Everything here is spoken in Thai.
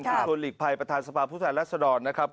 คุณทุนหลีกภัยประธานสภาพุทธแหลศรรณนะครับ